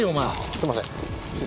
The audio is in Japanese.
すいません。